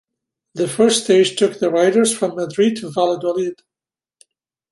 The first stage took the riders from Madrid to Valladolid.